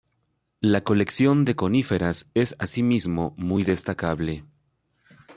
La colección de coníferas es asimismo muy destacable.